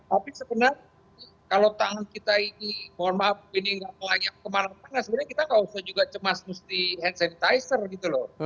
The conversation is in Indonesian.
tapi sebenarnya kalau tangan kita ini mohon maaf ini nggak layak kemana mana sebenarnya kita nggak usah juga cemas mesti hand sanitizer gitu loh